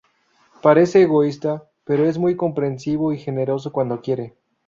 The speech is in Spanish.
Parece egoísta, pero es muy comprensivo y generoso cuando quiere.